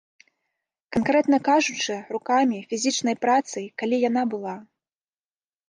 Канкрэтна кажучы, рукамі, фізічнай працай, калі яна была.